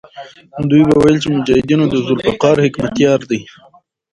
دوی به ویل چې مجاهدونو د ذوالفقار حکمتیار دی.